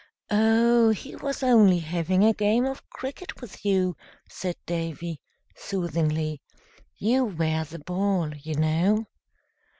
"Oh! he was only having a game of cricket with you," said Davy, soothingly. "You were the ball, you know."